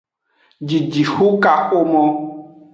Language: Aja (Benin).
Jijixukaxomo.